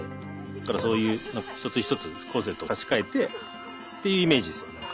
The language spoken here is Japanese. だからそういう１つ１つコンセントを差し替えてっていうイメージですよ。